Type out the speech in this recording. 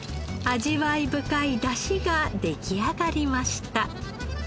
味わい深い出汁が出来上がりました。